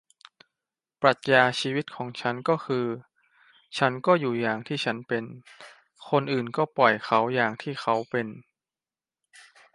ปรัชญาชีวิตของฉันก็คือ ฉันก็อยู่อย่างที่ฉันเป็น คนอื่นก็ปล่อยเขาอย่างที่เขาเป็น